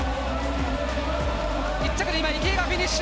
１着で今池江がフィニッシュ。